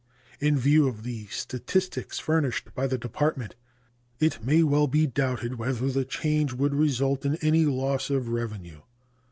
In view of the statistics furnished by the Department, it may well be doubted whether the change would result in any loss of revenue.